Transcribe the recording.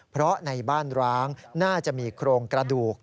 เพราะในบ้านร้างน่าจะมีโครงกระดูก